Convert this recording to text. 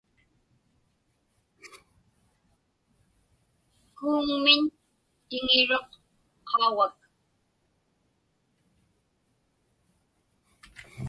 Kuuŋmiñ tiŋiruq qaugak.